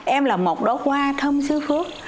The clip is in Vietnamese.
em là một đốt hoa thơm sư phước